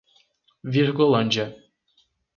Virgolândia